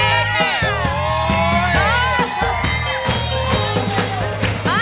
ขอบคุณค่ะ